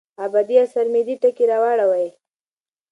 ابدي يا سرمدي ټکي راوړي وے